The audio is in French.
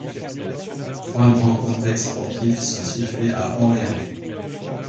Trois grands complexes sportifs sont situés à Orléans.